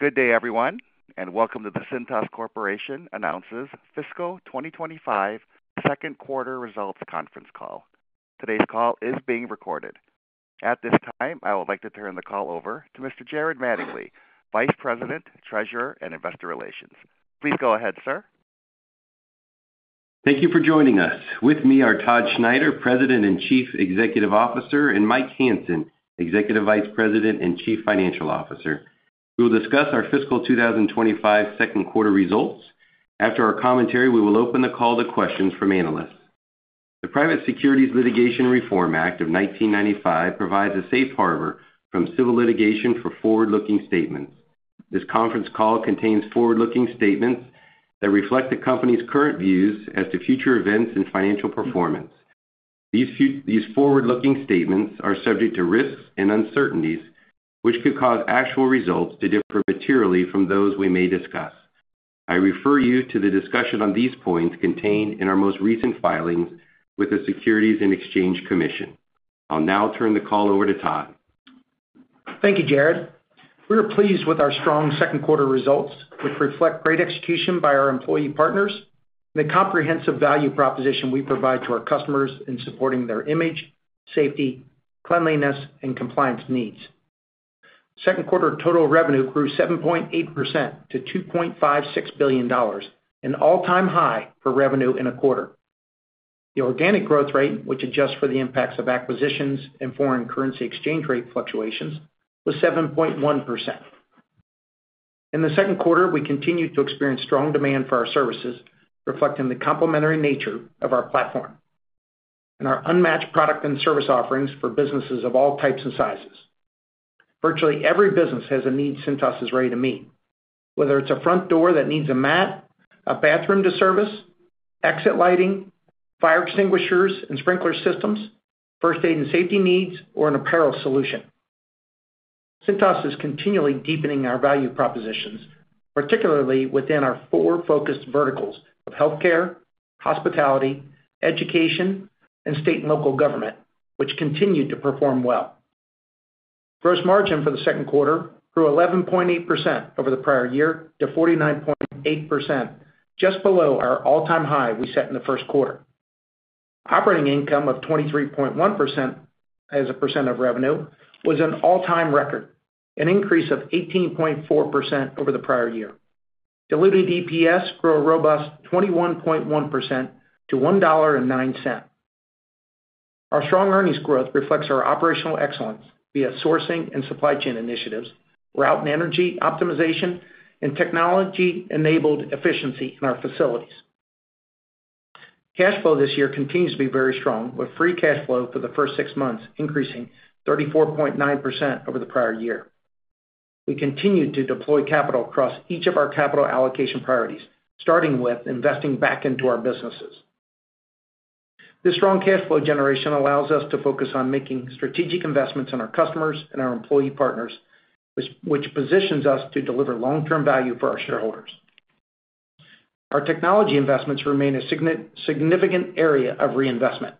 Good day, everyone, and welcome to the Cintas Corporation announces fiscal 2025 second quarter results conference call. Today's call is being recorded. At this time, I would like to turn the call over to Mr. Jared Mattingley, Vice President, Treasurer and Investor Relations. Please go ahead, sir. Thank you for joining us. With me are Todd Schneider, President and Chief Executive Officer, and Mike Hansen, Executive Vice President and Chief Financial Officer. We will discuss our fiscal 2025 second quarter results. After our commentary, we will open the call to questions from analysts. The Private Securities Litigation Reform Act of 1995 provides a safe harbor from civil litigation for forward-looking statements. This conference call contains forward-looking statements that reflect the company's current views as to future events and financial performance. These forward-looking statements are subject to risks and uncertainties, which could cause actual results to differ materially from those we may discuss. I refer you to the discussion on these points contained in our most recent filings with the Securities and Exchange Commission. I'll now turn the call over to Todd. Thank you, Jared. We are pleased with our strong second quarter results, which reflect great execution by our employee partners and the comprehensive value proposition we provide to our customers in supporting their image, safety, cleanliness, and compliance needs. Second quarter total revenue grew 7.8% to $2.56 billion, an all-time high for revenue in a quarter. The organic growth rate, which adjusts for the impacts of acquisitions and foreign currency exchange rate fluctuations, was 7.1%. In the second quarter, we continue to experience strong demand for our services, reflecting the complementary nature of our platform and our unmatched product and service offerings for businesses of all types and sizes. Virtually every business has a need Cintas is ready to meet, whether it's a front door that needs a mat, a bathroom to service, exit lighting, fire extinguishers and sprinkler systems, first aid and safety needs, or an apparel solution. Cintas is continually deepening our value propositions, particularly within our four focused verticals of healthcare, hospitality, education, and state and local government, which continue to perform well. Gross margin for the second quarter grew 11.8% over the prior year to 49.8%, just below our all-time high we set in the first quarter. Operating income of 23.1% as a percent of revenue was an all-time record, an increase of 18.4% over the prior year. Diluted EPS grew a robust 21.1% to $1.09. Our strong earnings growth reflects our operational excellence via sourcing and supply chain initiatives, route and energy optimization, and technology-enabled efficiency in our facilities. Cash flow this year continues to be very strong, with free cash flow for the first six months increasing 34.9% over the prior year. We continue to deploy capital across each of our capital allocation priorities, starting with investing back into our businesses. This strong cash flow generation allows us to focus on making strategic investments in our customers and our employee partners, which positions us to deliver long-term value for our shareholders. Our technology investments remain a significant area of reinvestment.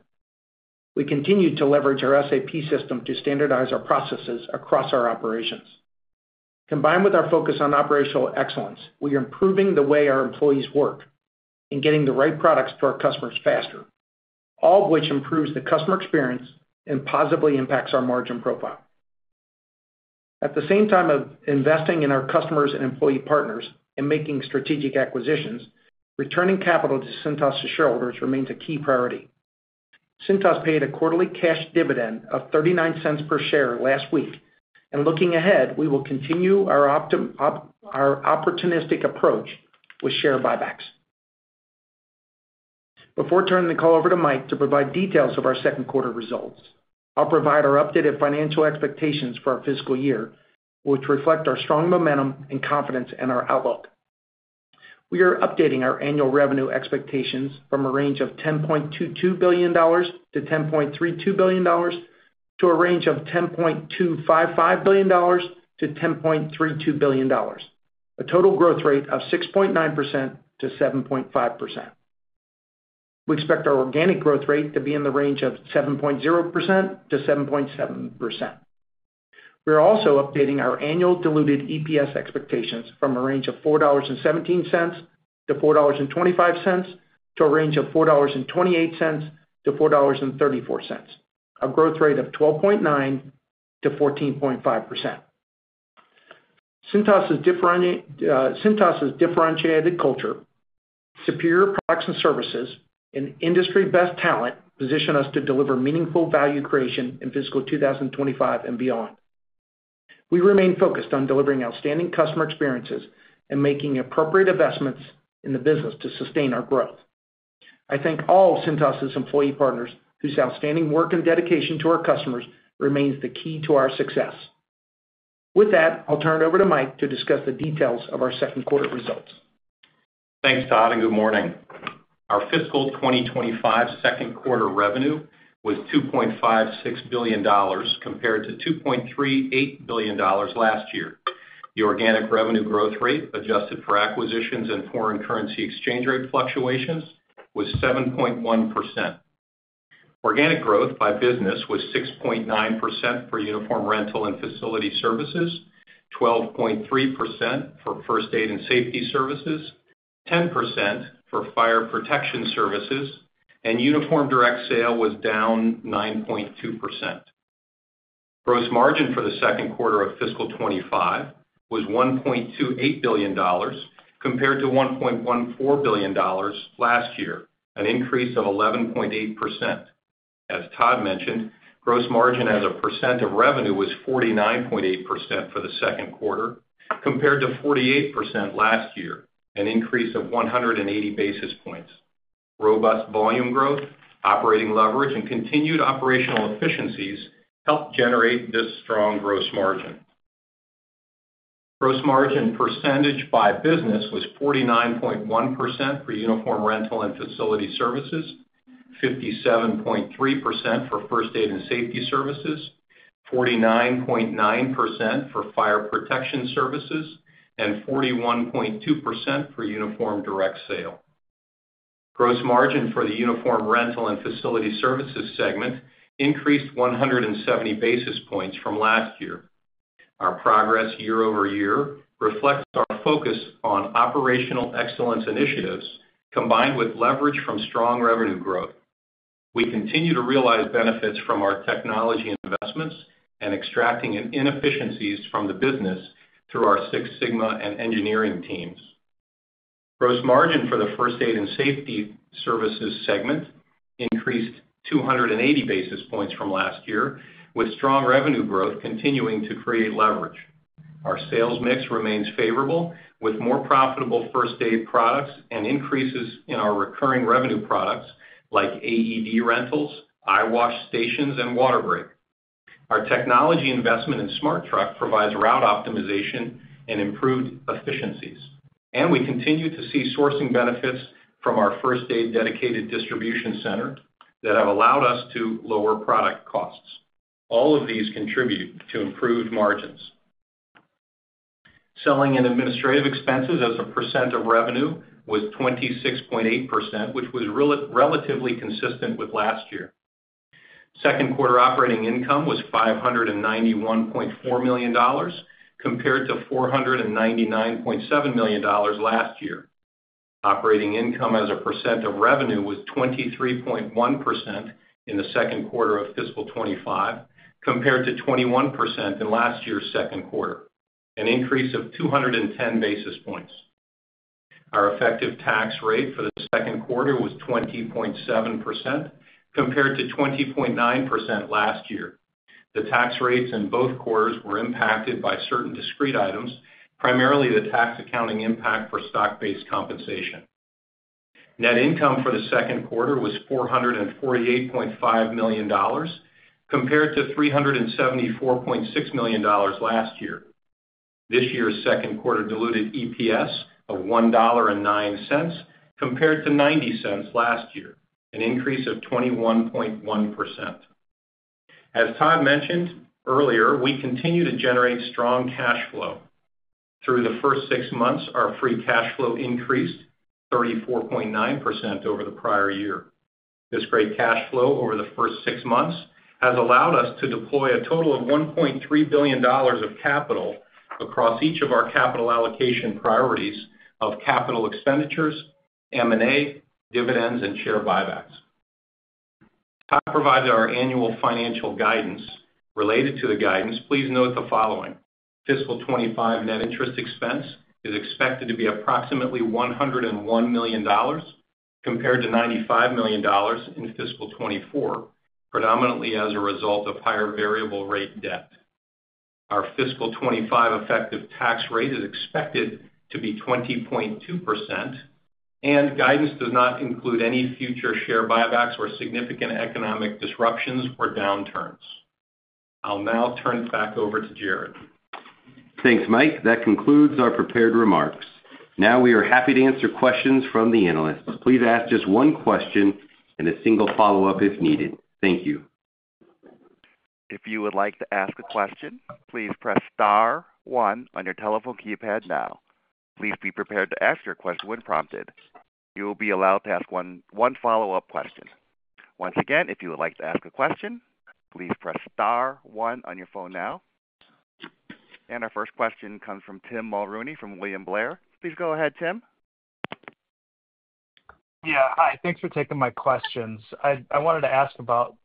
We continue to leverage our SAP system to standardize our processes across our operations. Combined with our focus on operational excellence, we are improving the way our employees work and getting the right products to our customers faster, all of which improves the customer experience and positively impacts our margin profile. At the same time of investing in our customers and employee partners and making strategic acquisitions, returning capital to Cintas's shareholders remains a key priority. Cintas paid a quarterly cash dividend of $0.39 per share last week, and looking ahead, we will continue our opportunistic approach with share buybacks. Before turning the call over to Mike to provide details of our second quarter results, I'll provide our updated financial expectations for our fiscal year, which reflect our strong momentum and confidence in our outlook. We are updating our annual revenue expectations from a range of $10.22 billion-$10.32 billion to a range of $10.255 billion-$10.32 billion, a total growth rate of 6.9%-7.5%. We expect our organic growth rate to be in the range of 7.0%-7.7%. We are also updating our annual diluted EPS expectations from a range of $4.17-$4.25 to a range of $4.28-$4.34, a growth rate of 12.9%-14.5%. Cintas's differentiated culture, superior products and services, and industry-best talent position us to deliver meaningful value creation in fiscal 2025 and beyond. We remain focused on delivering outstanding customer experiences and making appropriate investments in the business to sustain our growth. I thank all Cintas's employee partners whose outstanding work and dedication to our customers remains the key to our success. With that, I'll turn it over to Mike to discuss the details of our second quarter results. Thanks, Todd, and good morning. Our fiscal 2025 second quarter revenue was $2.56 billion compared to $2.38 billion last year. The organic revenue growth rate, adjusted for acquisitions and foreign currency exchange rate fluctuations, was 7.1%. Organic growth by business was 6.9% for Uniform Rental and Facility Services, 12.3% for First Aid and Safety Services, 10% for Fire Protection Services, and Uniform Direct Sale was down 9.2%. Gross margin for the second quarter of fiscal 2025 was $1.28 billion compared to $1.14 billion last year, an increase of 11.8%. As Todd mentioned, gross margin as a percent of revenue was 49.8% for the second quarter compared to 48% last year, an increase of 180 basis points. Robust volume growth, operating leverage, and continued operational efficiencies helped generate this strong gross margin. Gross margin percentage by business was 49.1% for Uniform Rental and Facility Services, 57.3% for First Aid and Safety Services, 49.9% for Fire Protection Services, and 41.2% for Uniform Direct Sale. Gross margin for the Uniform Rental and Facility Services segment increased 170 basis points from last year. Our progress year over year reflects our focus on operational excellence initiatives combined with leverage from strong revenue growth. We continue to realize benefits from our technology investments and extracting inefficiencies from the business through our Six Sigma and engineering teams. Gross margin for the First Aid and Safety Services segment increased 280 basis points from last year, with strong revenue growth continuing to create leverage. Our sales mix remains favorable, with more profitable first aid products and increases in our recurring revenue products like AED rentals, eyewash stations, and WaterBreak. Our technology investment in SmartTruck provides route optimization and improved efficiencies, and we continue to see sourcing benefits from our first aid dedicated distribution center that have allowed us to lower product costs. All of these contribute to improved margins. Selling and administrative expenses as a percent of revenue was 26.8%, which was relatively consistent with last year. Second quarter operating income was $591.4 million compared to $499.7 million last year. Operating income as a percent of revenue was 23.1% in the second quarter of fiscal 2025 compared to 21% in last year's second quarter, an increase of 210 basis points. Our effective tax rate for the second quarter was 20.7% compared to 20.9% last year. The tax rates in both quarters were impacted by certain discrete items, primarily the tax accounting impact for stock-based compensation. Net income for the second quarter was $448.5 million compared to $374.6 million last year. This year's second quarter diluted EPS of $1.09 compared to $0.90 last year, an increase of 21.1%. As Todd mentioned earlier, we continue to generate strong cash flow. Through the first six months, our free cash flow increased 34.9% over the prior year. This great cash flow over the first six months has allowed us to deploy a total of $1.3 billion of capital across each of our capital allocation priorities of capital expenditures, M&A, dividends, and share buybacks. Todd provided our annual financial guidance. Related to the guidance, please note the following: fiscal 2025 net interest expense is expected to be approximately $101 million compared to $95 million in fiscal 2024, predominantly as a result of higher variable rate debt. Our fiscal 2025 effective tax rate is expected to be 20.2%, and guidance does not include any future share buybacks or significant economic disruptions or downturns. I'll now turn it back over to Jared. Thanks, Mike. That concludes our prepared remarks. Now we are happy to answer questions from the analysts. Please ask just one question and a single follow-up if needed. Thank you. If you would like to ask a question, please press star one on your telephone keypad now. Please be prepared to ask your question when prompted. You will be allowed to ask one follow-up question. Once again, if you would like to ask a question, please press star one on your phone now. And our first question comes from Tim Mulrooney from William Blair. Please go ahead, Tim. Yeah. Hi. Thanks for taking my questions. I wanted to ask about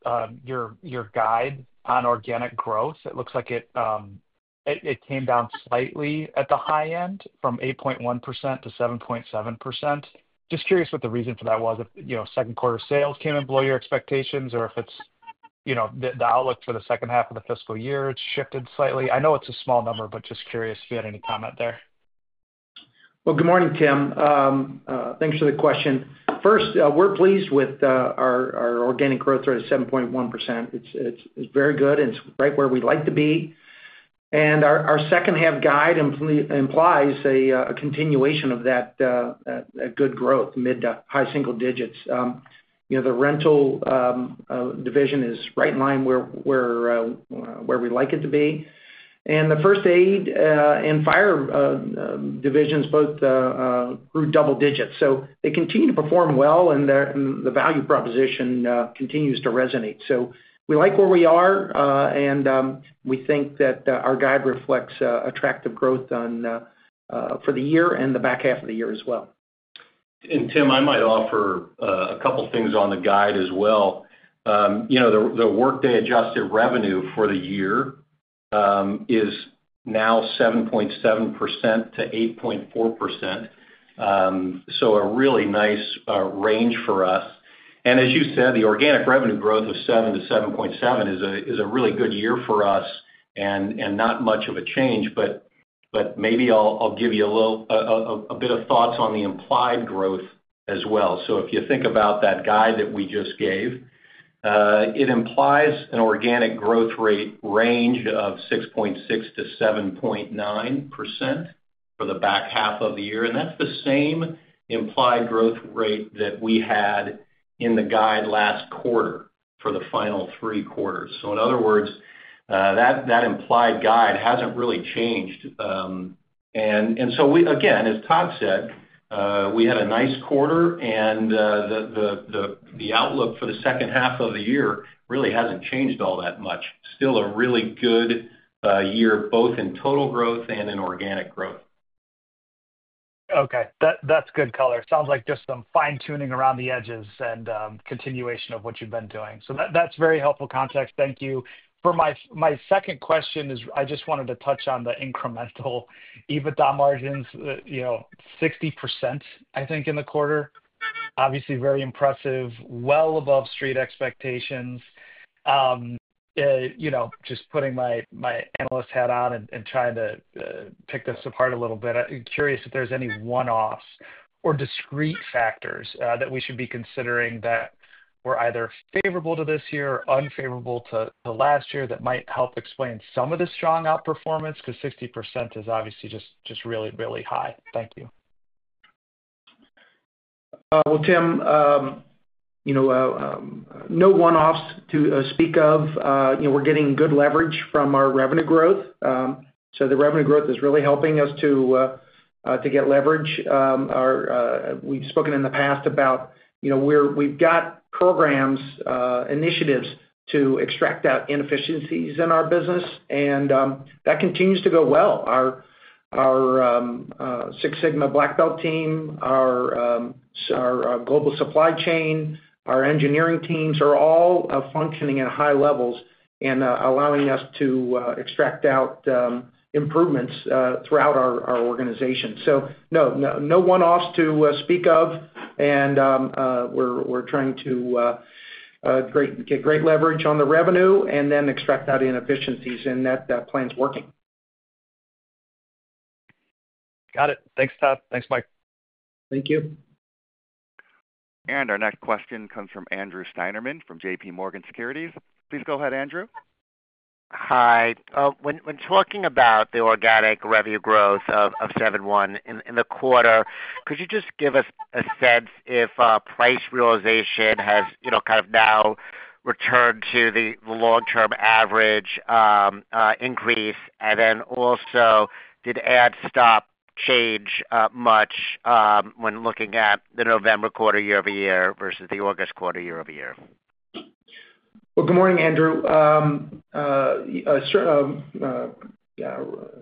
your guide on organic growth. It looks like it came down slightly at the high end from 8.1% to 7.7%. Just curious what the reason for that was, if second quarter sales came in below your expectations or if it's the outlook for the second half of the fiscal year shifted slightly. I know it's a small number, but just curious if you had any comment there? Good morning, Tim. Thanks for the question. First, we're pleased with our organic growth rate at 7.1%. It's very good, and it's right where we'd like to be, and our second half guide implies a continuation of that good growth, mid-to-high single digits. The rental division is right in line where we like it to be, and the first aid and fire divisions both grew double digits, so they continue to perform well, and the value proposition continues to resonate, so we like where we are, and we think that our guide reflects attractive growth for the year and the back half of the year as well. And Tim, I might offer a couple of things on the guide as well. The workday adjusted revenue for the year is now 7.7%-8.4%. So a really nice range for us. And as you said, the organic revenue growth of 7%-7.7% is a really good year for us and not much of a change. But maybe I'll give you a bit of thoughts on the implied growth as well. So if you think about that guide that we just gave, it implies an organic growth rate range of 6.6%-7.9% for the back half of the year. And that's the same implied growth rate that we had in the guide last quarter for the final three quarters. So in other words, that implied guide hasn't really changed. And so again, as Todd said, we had a nice quarter, and the outlook for the second half of the year really hasn't changed all that much. Still a really good year, both in total growth and in organic growth. Okay. That's good color. Sounds like just some fine-tuning around the edges and continuation of what you've been doing. So that's very helpful context. Thank you. For my second question, I just wanted to touch on the incremental EBITDA margins, 60%, I think, in the quarter. Obviously, very impressive, well above street expectations. Just putting my analyst hat on and trying to pick this apart a little bit. I'm curious if there's any one-offs or discrete factors that we should be considering that were either favorable to this year or unfavorable to last year that might help explain some of the strong outperformance because 60% is obviously just really, really high? Thank you. Tim, no one-offs to speak of. We're getting good leverage from our revenue growth. So the revenue growth is really helping us to get leverage. We've spoken in the past about we've got programs, initiatives to extract out inefficiencies in our business, and that continues to go well. Our Six Sigma Black Belt team, our global supply chain, our engineering teams are all functioning at high levels and allowing us to extract out improvements throughout our organization. So no, no one-offs to speak of. And we're trying to get great leverage on the revenue and then extract out inefficiencies, and that plan's working. Got it. Thanks, Todd. Thanks, Mike. Thank you. Our next question comes from Andrew Steinerman from JPMorgan Securities. Please go ahead, Andrew. Hi. When talking about the organic revenue growth of 7.1% in the quarter, could you just give us a sense if price realization has kind of now returned to the long-term average increase? And then also, did add/stops change much when looking at the November quarter year-over-year versus the August quarter year-over-year? Good morning, Andrew.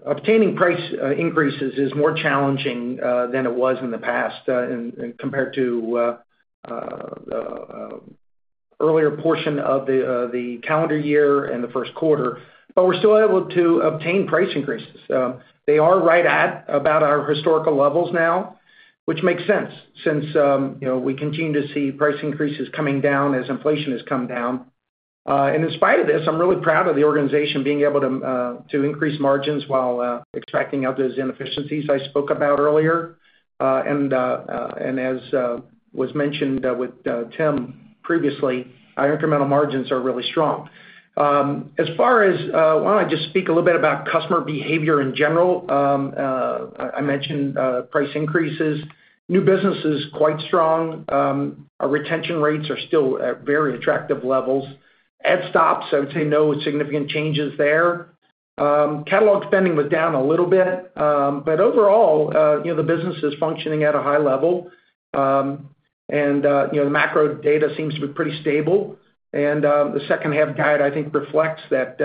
Obtaining price increases is more challenging than it was in the past compared to the earlier portion of the calendar year and the first quarter. We're still able to obtain price increases. They are right at about our historical levels now, which makes sense since we continue to see price increases coming down as inflation has come down. In spite of this, I'm really proud of the organization being able to increase margins while extracting out those inefficiencies I spoke about earlier. As was mentioned with Tim previously, our incremental margins are really strong. As far as why don't I just speak a little bit about customer behavior in general? I mentioned price increases. New business is quite strong. Our retention rates are still at very attractive levels. Add/stops, I would say no significant changes there. Catalog spending was down a little bit. But overall, the business is functioning at a high level. And the macro data seems to be pretty stable. And the second half guide, I think, reflects that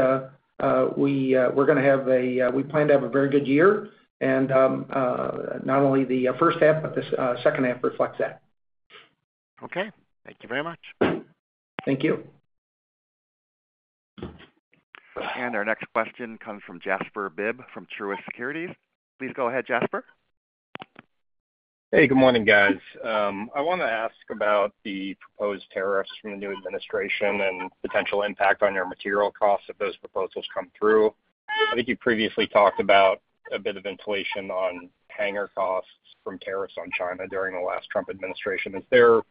we plan to have a very good year. And not only the first half, but the second half reflects that. Okay. Thank you very much. Thank you. And our next question comes from Jasper Bibb from Truist Securities. Please go ahead, Jasper. Hey, good morning, guys. I want to ask about the proposed tariffs from the new administration and potential impact on your material costs if those proposals come through. I think you previously talked about a bit of inflation on hanger costs from tariffs on China during the last Trump administration. Is there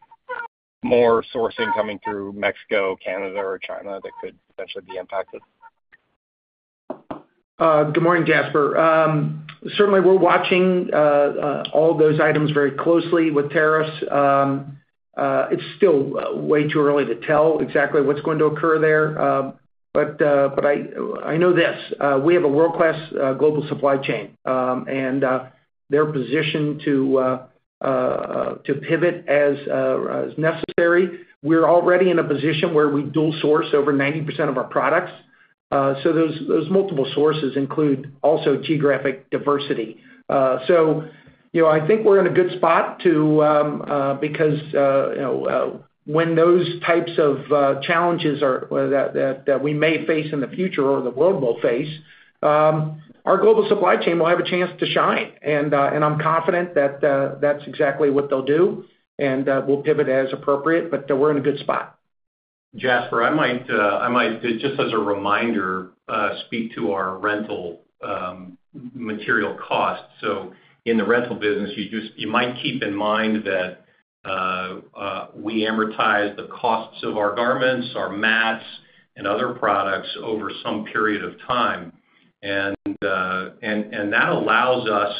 more sourcing coming through Mexico, Canada, or China that could potentially be impacted? Good morning, Jasper. Certainly, we're watching all those items very closely with tariffs. It's still way too early to tell exactly what's going to occur there. But I know this: we have a world-class global supply chain, and they're positioned to pivot as necessary. We're already in a position where we dual source over 90% of our products. So those multiple sources include also geographic diversity. So I think we're in a good spot because when those types of challenges that we may face in the future or the world will face, our global supply chain will have a chance to shine. And I'm confident that that's exactly what they'll do, and we'll pivot as appropriate. But we're in a good spot. Jasper, I might, just as a reminder, speak to our rental material costs, so in the rental business, you might keep in mind that we amortize the costs of our garments, our mats, and other products over some period of time, and that allows us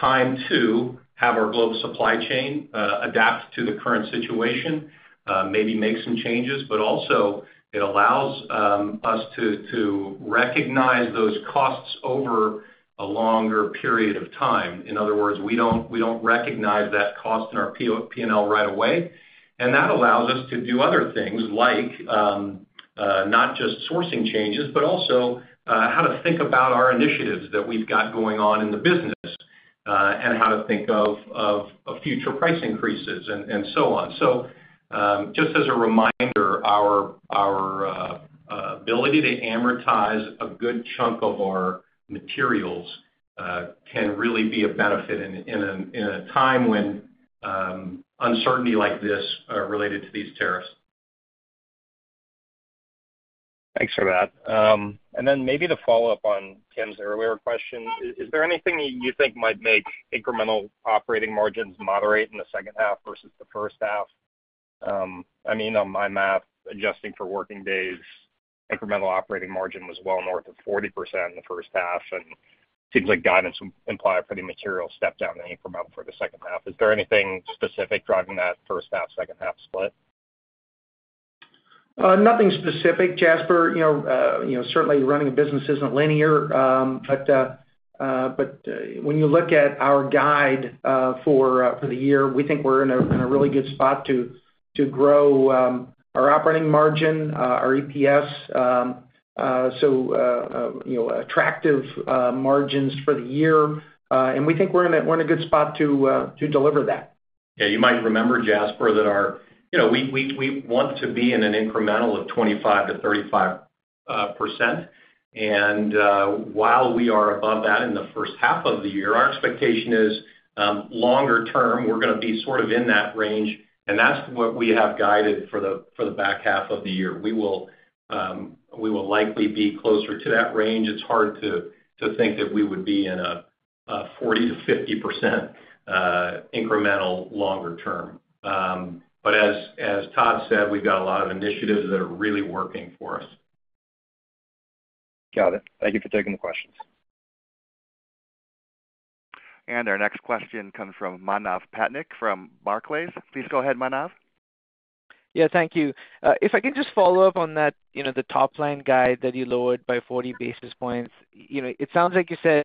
time to have our global supply chain adapt to the current situation, maybe make some changes, but also, it allows us to recognize those costs over a longer period of time. In other words, we don't recognize that cost in our P&L right away, and that allows us to do other things, like not just sourcing changes, but also how to think about our initiatives that we've got going on in the business and how to think of future price increases and so on. So just as a reminder, our ability to amortize a good chunk of our materials can really be a benefit in a time when uncertainty like this related to these tariffs. Thanks for that, and then maybe to follow up on Tim's earlier question, is there anything you think might make incremental operating margins moderate in the second half versus the first half? I mean, on my math, adjusting for working days, incremental operating margin was well north of 40% in the first half, and it seems like guidance would imply a pretty material step down the incremental for the second half. Is there anything specific driving that first half-second half split? Nothing specific, Jasper. Certainly, running a business isn't linear, but when you look at our guide for the year, we think we're in a really good spot to grow our operating margin, our EPS, so attractive margins for the year, and we think we're in a good spot to deliver that. Yeah. You might remember, Jasper, that we want to be in an incremental of 25%-35%. And while we are above that in the first half of the year, our expectation is longer term, we're going to be sort of in that range. And that's what we have guided for the back half of the year. We will likely be closer to that range. It's hard to think that we would be in a 40%-50% incremental longer term. But as Todd said, we've got a lot of initiatives that are really working for us. Got it. Thank you for taking the questions. And our next question comes from Manav Patnaik from Barclays. Please go ahead, Manav. Yeah. Thank you. If I can just follow up on that, the top line guide that you lowered by 40 basis points, it sounds like you said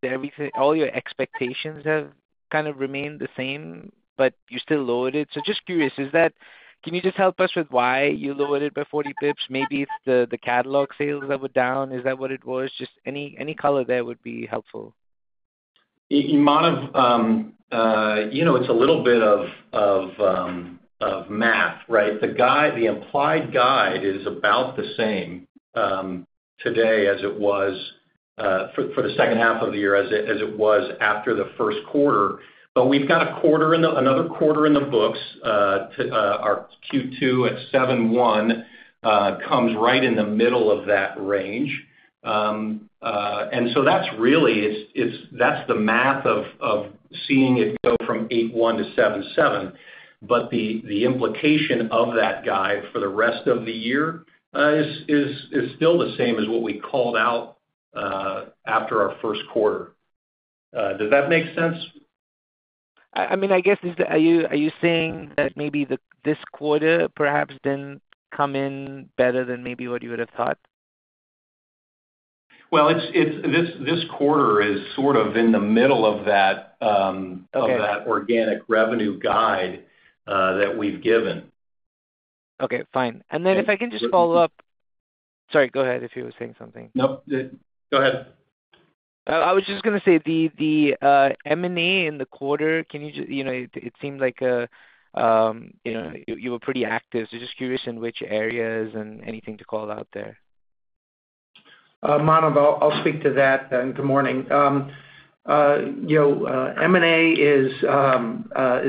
all your expectations have kind of remained the same, but you still lowered it. So just curious, can you just help us with why you lowered it by 40 basis points? Maybe it's the catalog sales that were down. Is that what it was? Just any color there would be helpful. You might have, it's a little bit of math, right? The implied guide is about the same today as it was for the second half of the year as it was after the first quarter. But we've got another quarter in the books. Our Q2 at 7.1 comes right in the middle of that range. And so that's really the math of seeing it go from 8.1 to 7.7. But the implication of that guide for the rest of the year is still the same as what we called out after our first quarter. Does that make sense? I mean, I guess, are you saying that maybe this quarter perhaps didn't come in better than maybe what you would have thought? This quarter is sort of in the middle of that organic revenue guide that we've given. Okay. Fine. And then if I can just follow up. Sorry. Go ahead if you were saying something. Nope. Go ahead. I was just going to say the M&A in the quarter, it seemed like you were pretty active. So just curious in which areas and anything to call out there. Manav, I'll speak to that. Good morning. M&A is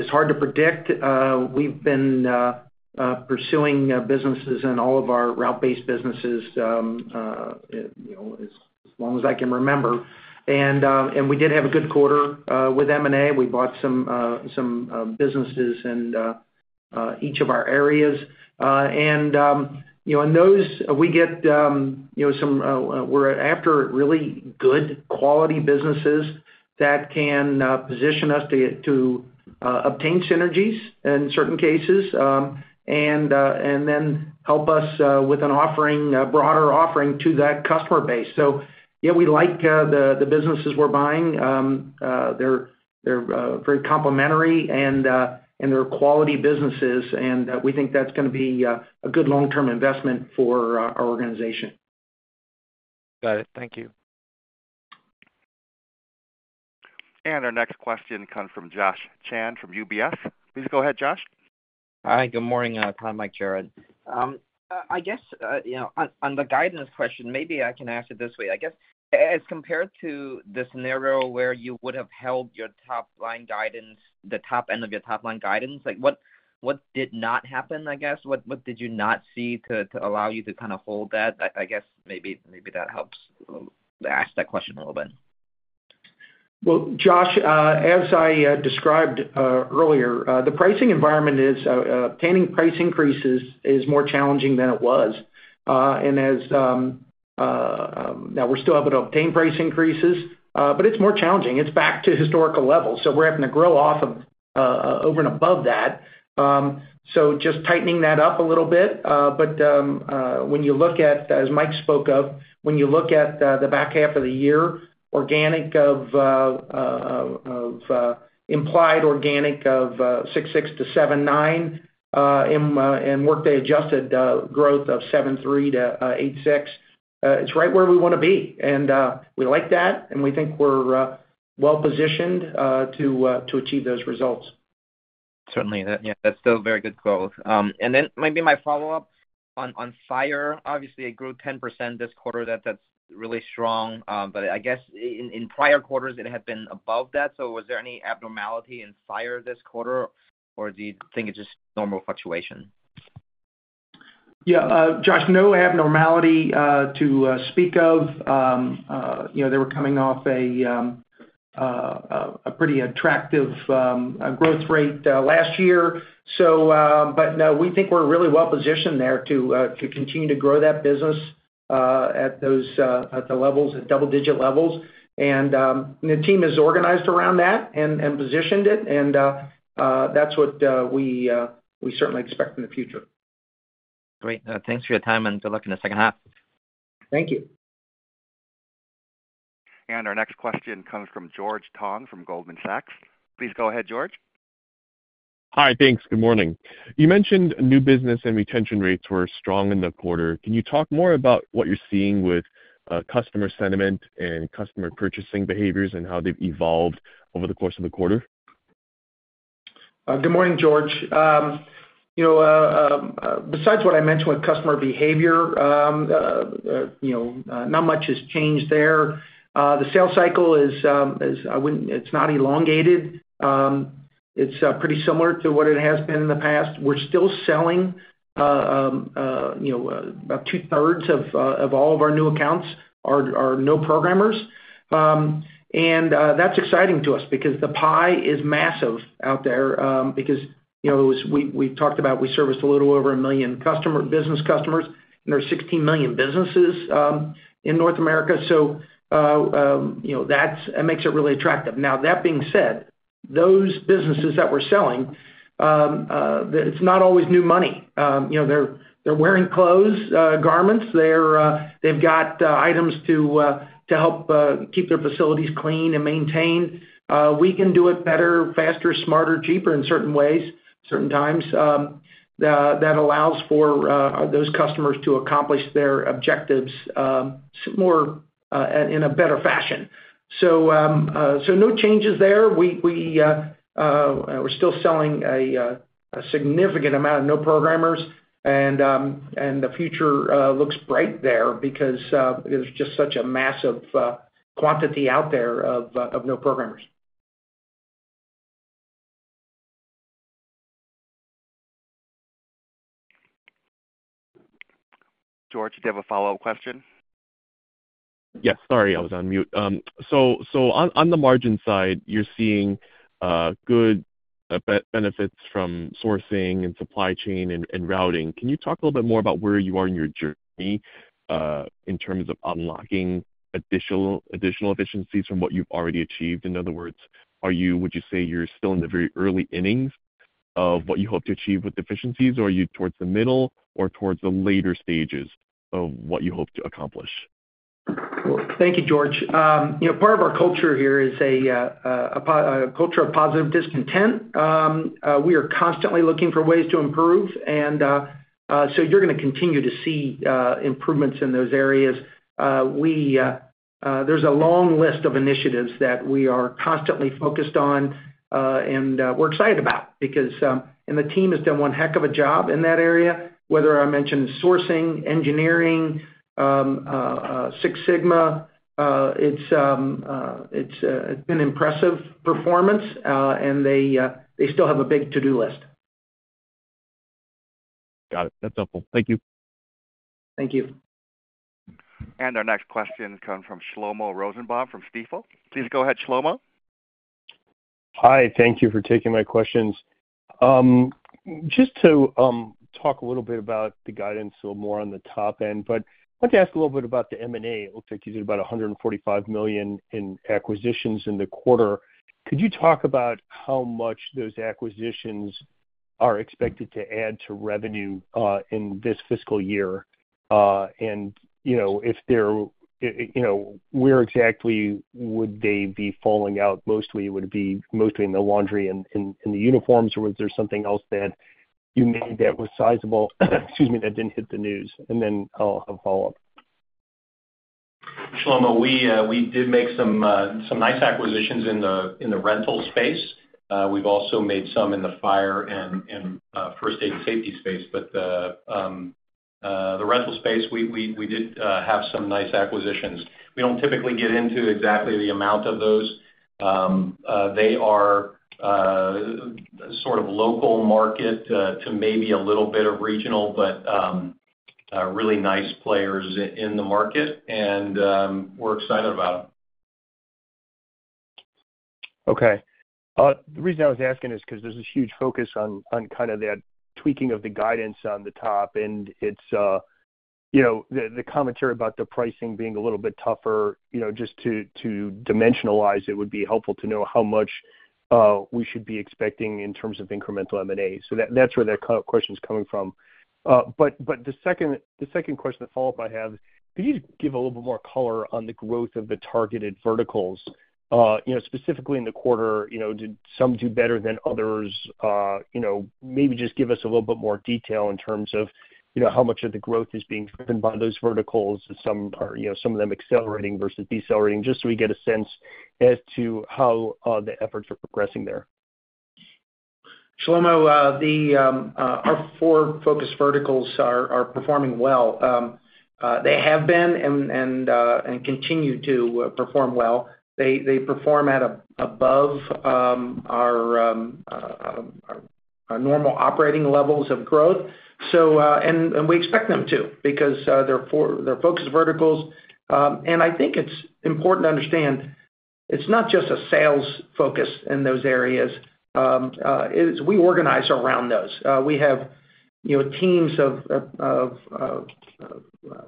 hard to predict. We've been pursuing businesses in all of our route-based businesses as long as I can remember, and we did have a good quarter with M&A. We bought some businesses in each of our areas, and in those, we get some we're after really good quality businesses that can position us to obtain synergies in certain cases and then help us with a broader offering to that customer base, so yeah, we like the businesses we're buying. They're very complementary, and they're quality businesses, and we think that's going to be a good long-term investment for our organization. Got it. Thank you. And our next question comes from Josh Chan from UBS. Please go ahead, Josh. Hi. Good morning, Todd, Mike, Jared. I guess on the guidance question, maybe I can answer this way. I guess as compared to the scenario where you would have held your top line guidance, the top end of your top line guidance, what did not happen, I guess? What did you not see to allow you to kind of hold that? I guess maybe that helps ask that question a little bit. Josh, as I described earlier, the pricing environment is obtaining price increases is more challenging than it was. Now we're still able to obtain price increases, but it's more challenging. It's back to historical levels. We're having to grow off of over and above that. Just tightening that up a little bit. When you look at, as Mike spoke of, when you look at the back half of the year, implied organic of 6.6%-7.9% and workday adjusted growth of 7.3%-8.6%, it's right where we want to be. We like that, and we think we're well-positioned to achieve those results. Certainly. Yeah. That's still very good growth. And then maybe my follow-up on fire. Obviously, it grew 10% this quarter. That's really strong. But I guess in prior quarters, it had been above that. So was there any abnormality in fire this quarter, or do you think it's just normal fluctuation? Yeah. Josh, no abnormality to speak of. They were coming off a pretty attractive growth rate last year. But no, we think we're really well-positioned there to continue to grow that business at the levels, at double-digit levels. And the team is organized around that and positioned it. And that's what we certainly expect in the future. Great. Thanks for your time, and good luck in the second half. Thank you. Our next question comes from George Tong from Goldman Sachs. Please go ahead, George. Hi. Thanks. Good morning. You mentioned new business and retention rates were strong in the quarter. Can you talk more about what you're seeing with customer sentiment and customer purchasing behaviors and how they've evolved over the course of the quarter? Good morning, George. Besides what I mentioned with customer behavior, not much has changed there. The sales cycle is not elongated. It's pretty similar to what it has been in the past. We're still selling about two-thirds of all of our new accounts are no-programmers. And that's exciting to us because the pie is massive out there because we've talked about we serviced a little over 1 million business customers, and there are 16 million businesses in North America. So that makes it really attractive. Now, that being said, those businesses that we're selling, it's not always new money. They're wearing clothes, garments. They've got items to help keep their facilities clean and maintained. We can do it better, faster, smarter, cheaper in certain ways, certain times, that allows for those customers to accomplish their objectives in a better fashion. So no changes there. We're still selling a significant amount of no-programmers, and the future looks bright there because there's just such a massive quantity out there of no-programmers. George, did you have a follow-up question? Yes. Sorry, I was on mute. So on the margin side, you're seeing good benefits from sourcing and supply chain and routing. Can you talk a little bit more about where you are in your journey in terms of unlocking additional efficiencies from what you've already achieved? In other words, would you say you're still in the very early innings of what you hope to achieve with efficiencies, or are you towards the middle or towards the later stages of what you hope to accomplish? Thank you, George. Part of our culture here is a culture of positive discontent. We are constantly looking for ways to improve. And so you're going to continue to see improvements in those areas. There's a long list of initiatives that we are constantly focused on and we're excited about because the team has done one heck of a job in that area, whether I mentioned sourcing, engineering, Six Sigma. It's been impressive performance, and they still have a big to-do list. Got it. That's helpful. Thank you. Thank you. Our next question comes from Shlomo Rosenbaum from Stifel. Please go ahead, Shlomo. Hi. Thank you for taking my questions. Just to talk a little bit about the guidance, so more on the top end. But I wanted to ask a little bit about the M&A. It looks like you did about $145 million in acquisitions in the quarter. Could you talk about how much those acquisitions are expected to add to revenue in this fiscal year? And if they're where exactly would they be falling out? Mostly, would it be mostly in the laundry and the uniforms, or was there something else that you made that was sizable, excuse me, that didn't hit the news? And then I'll have a follow-up. Shlomo, we did make some nice acquisitions in the rental space. We've also made some in the fire and first aid and safety space. But the rental space, we did have some nice acquisitions. We don't typically get into exactly the amount of those. They are sort of local market to maybe a little bit of regional, but really nice players in the market. And we're excited about them. Okay. The reason I was asking is because there's this huge focus on kind of that tweaking of the guidance on the top, and the commentary about the pricing being a little bit tougher. Just to dimensionalize it, it would be helpful to know how much we should be expecting in terms of incremental M&A, so that's where that question is coming from, but the second question, the follow-up I have, could you give a little bit more color on the growth of the targeted verticals? Specifically in the quarter, did some do better than others? Maybe just give us a little bit more detail in terms of how much of the growth is being driven by those verticals, some of them accelerating versus decelerating, just so we get a sense as to how the efforts are progressing there. Shlomo, our four focus verticals are performing well. They have been and continue to perform well. They perform at above our normal operating levels of growth, and we expect them to because they're focused verticals, and I think it's important to understand it's not just a sales focus in those areas. We organize around those. We have teams of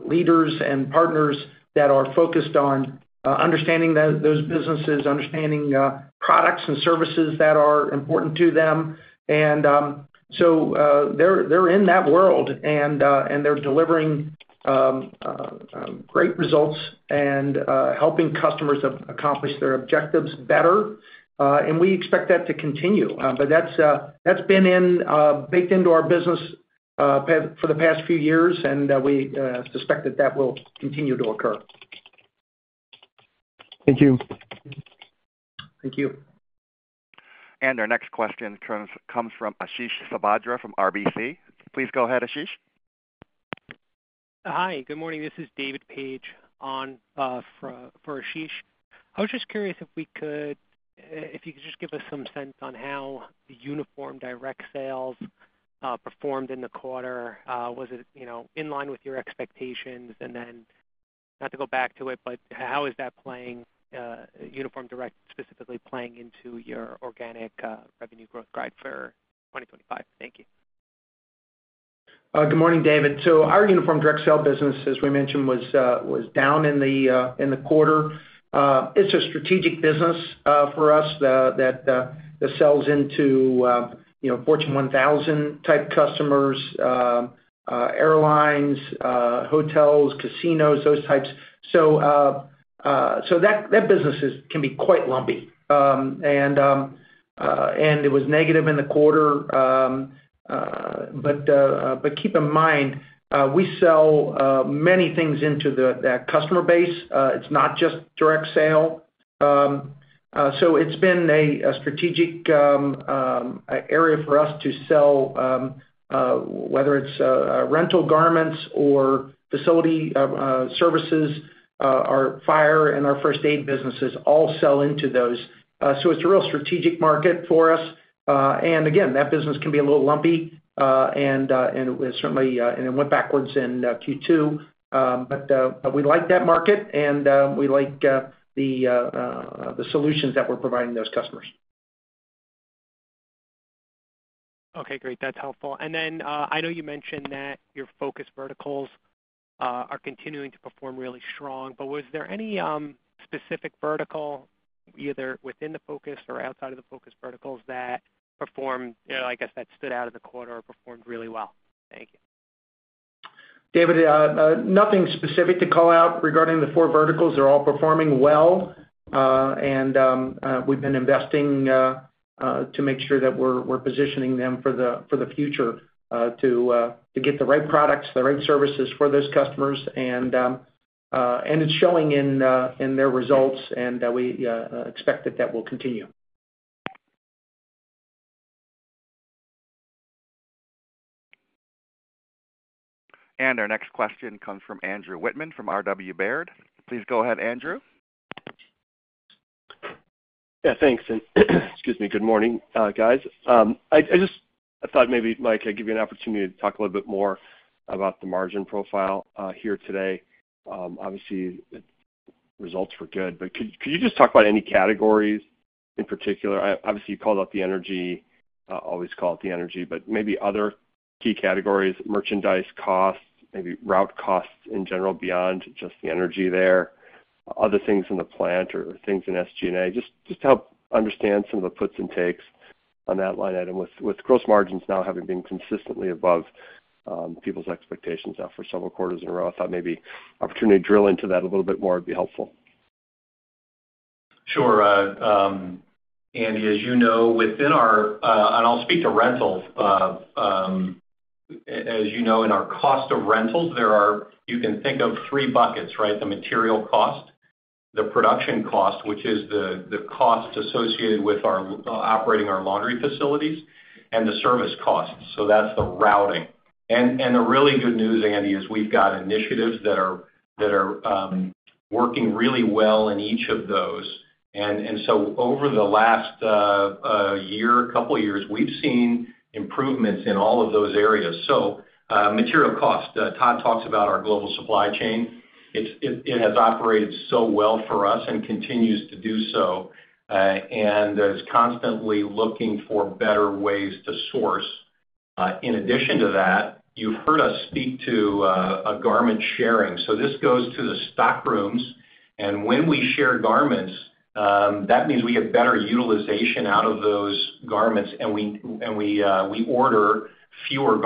leaders and partners that are focused on understanding those businesses, understanding products and services that are important to them, and so they're in that world, and they're delivering great results and helping customers accomplish their objectives better, and we expect that to continue, but that's been baked into our business for the past few years, and we suspect that that will continue to occur. Thank you. Thank you. Our next question comes from Ashish Sabadra from RBC. Please go ahead, Ashish. Hi. Good morning. This is David Paige for Ashish. I was just curious if you could just give us some sense on how the Uniform Direct Sales performed in the quarter. Was it in line with your expectations? And then not to go back to it, but how is that playing, uniform direct specifically playing into your organic revenue growth guide for 2025? Thank you. Good morning, David. So our Uniform Direct Sale business, as we mentioned, was down in the quarter. It's a strategic business for us that sells into Fortune 1000-type customers, airlines, hotels, casinos, those types. So that business can be quite lumpy. And it was negative in the quarter. But keep in mind, we sell many things into that customer base. It's not just direct sale. So it's been a strategic area for us to sell, whether it's rental garments or facility services, our fire and our first aid businesses all sell into those. So it's a real strategic market for us. And again, that business can be a little lumpy, and it certainly went backwards in Q2. But we like that market, and we like the solutions that we're providing those customers. Okay. Great. That's helpful. And then I know you mentioned that your focus verticals are continuing to perform really strong. But was there any specific vertical, either within the focus or outside of the focus verticals, that performed, I guess, that stood out of the quarter or performed really well? Thank you. David, nothing specific to call out regarding the four verticals. They're all performing well. And we've been investing to make sure that we're positioning them for the future to get the right products, the right services for those customers. And it's showing in their results, and we expect that that will continue. And our next question comes from Andrew Wittmann from R.W. Baird. Please go ahead, Andrew. Yeah. Thanks. And excuse me. Good morning, guys. I thought maybe Mike could give you an opportunity to talk a little bit more about the margin profile here today. Obviously, results were good. But could you just talk about any categories in particular? Obviously, you called out the energy. I always call out the energy, but maybe other key categories: merchandise costs, maybe route costs in general beyond just the energy there, other things in the plant, or things in SG&A. Just to help understand some of the puts and takes on that line item, with gross margins now having been consistently above people's expectations now for several quarters in a row. I thought maybe an opportunity to drill into that a little bit more would be helpful. Sure. And as you know, within our, and I'll speak to rentals, as you know, in our cost of rentals, you can think of three buckets, right? The material cost, the production cost, which is the cost associated with operating our laundry facilities, and the service costs. So that's the routing. And the really good news, Andy, is we've got initiatives that are working really well in each of those. And so over the last year, a couple of years, we've seen improvements in all of those areas. So material cost. Todd talks about our global supply chain. It has operated so well for us and continues to do so, and is constantly looking for better ways to source. In addition to that, you've heard us speak to garment sharing. So this goes to the stockrooms. And when we share garments, that means we get better utilization out of those garments, and we order fewer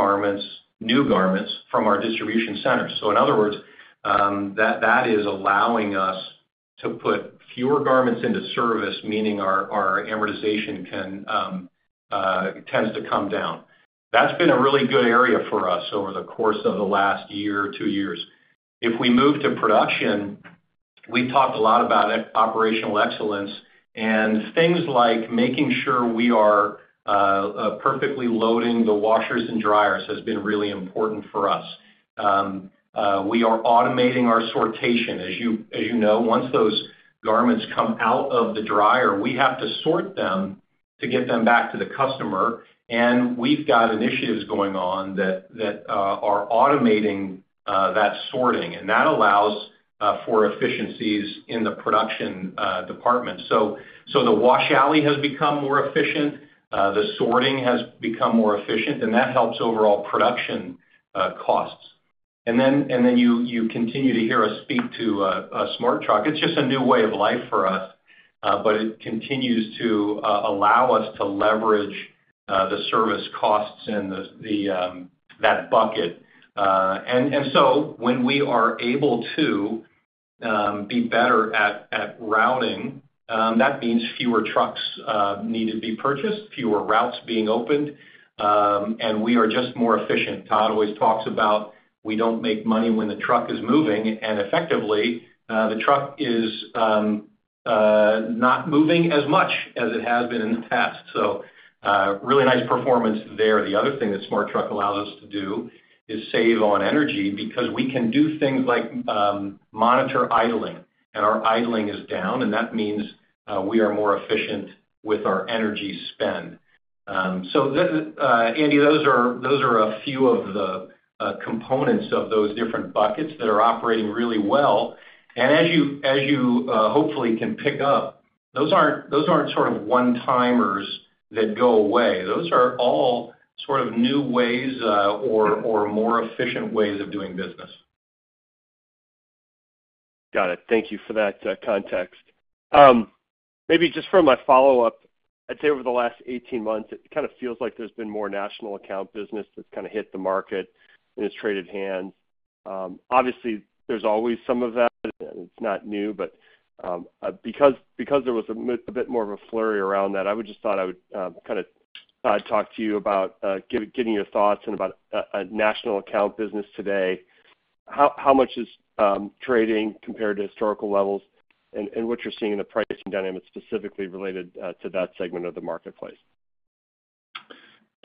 new garments from our distribution centers. So in other words, that is allowing us to put fewer garments into service, meaning our amortization tends to come down. That's been a really good area for us over the course of the last year or two years. If we move to production, we've talked a lot about operational excellence. And things like making sure we are perfectly loading the washers and dryers has been really important for us. We are automating our sortation. As you know, once those garments come out of the dryer, we have to sort them to get them back to the customer. And that allows for efficiencies in the production department. The wash alley has become more efficient. The sorting has become more efficient, and that helps overall production costs. You continue to hear us speak to SmartTruck. It's just a new way of life for us, but it continues to allow us to leverage the service costs and that bucket. When we are able to be better at routing, that means fewer trucks need to be purchased, fewer routes being opened, and we are just more efficient. Todd always talks about, "We don't make money when the truck is moving." Effectively, the truck is not moving as much as it has been in the past. Really nice performance there. The other thing that SmartTruck allows us to do is save on energy because we can do things like monitor idling, and our idling is down. And that means we are more efficient with our energy spend. So Andy, those are a few of the components of those different buckets that are operating really well. And as you hopefully can pick up, those aren't sort of one-timers that go away. Those are all sort of new ways or more efficient ways of doing business. Got it. Thank you for that context. Maybe just for my follow-up, I'd say over the last 18 months, it kind of feels like there's been more national account business that's kind of hit the market and has traded hands. Obviously, there's always some of that. It's not new, but because there was a bit more of a flurry around that, I would just thought I would kind of talk to you about getting your thoughts and about national account business today. How much is trading compared to historical levels and what you're seeing in the pricing dynamics specifically related to that segment of the marketplace?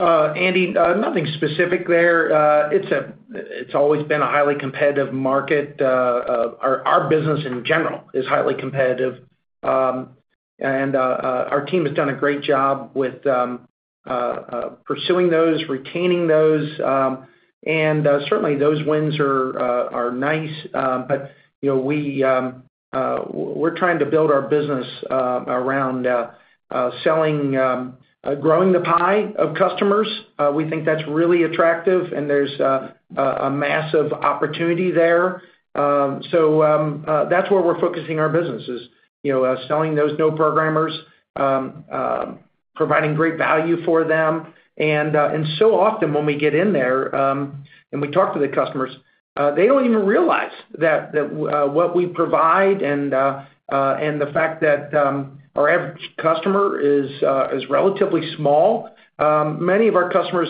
Andy, nothing specific there. It's always been a highly competitive market. Our business in general is highly competitive. And our team has done a great job with pursuing those, retaining those. And certainly, those wins are nice. But we're trying to build our business around growing the pie of customers. We think that's really attractive, and there's a massive opportunity there. So that's where we're focusing our business: selling those no-programmers, providing great value for them. And so often when we get in there and we talk to the customers, they don't even realize that what we provide and the fact that our average customer is relatively small. Many of our customers